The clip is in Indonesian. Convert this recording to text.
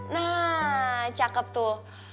nah cakep tuh